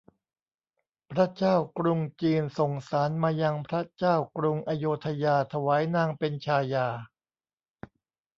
พระเจ้ากรุงจีนส่งสาสน์มายังพระเจ้ากรุงอโยธยาถวายนางเป็นชายา